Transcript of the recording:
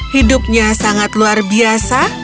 hidupnya sangat luar biasa